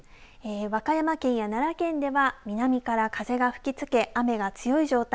和歌山県や奈良県では南から風が吹きつけ雨が強い状態